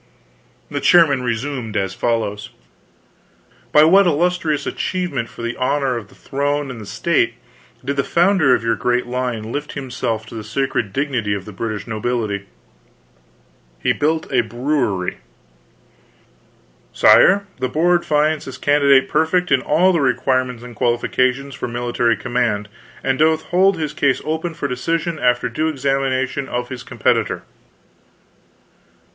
The chairman resumed as follows: "By what illustrious achievement for the honor of the Throne and State did the founder of your great line lift himself to the sacred dignity of the British nobility?" "He built a brewery." "Sire, the Board finds this candidate perfect in all the requirements and qualifications for military command, and doth hold his case open for decision after due examination of his competitor."